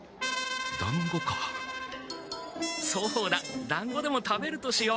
だんごかそうだだんごでも食べるとしよう。